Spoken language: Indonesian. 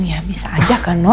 ya bisa saja no